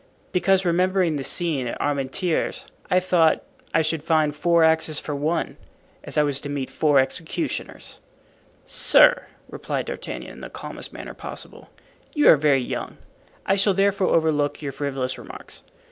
"Because, remembering the scene at Armentieres, I thought I should find four axes for one, as I was to meet four executioners." "Sir," replied D'Artagnan, in the calmest manner possible, "you are very young; I shall therefore overlook your frivolous remarks.